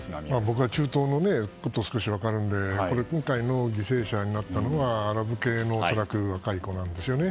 僕は中東のことは少し分かるので今回の犠牲者になったのが恐らくアラブ系の若い子なんですよね。